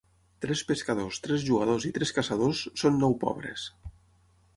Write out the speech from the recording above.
Tres pescadors, tres jugadors i tres caçadors són nou pobres.